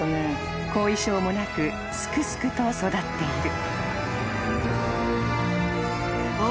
［後遺症もなくすくすくと育っている］